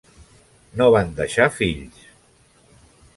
No van deixar fills.